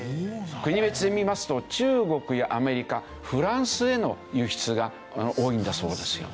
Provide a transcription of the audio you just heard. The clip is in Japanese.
国別で見ますと中国やアメリカフランスへの輸出が多いんだそうですよ。